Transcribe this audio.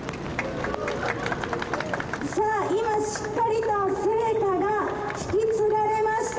「さあ今しっかりと聖火が引き継がれました。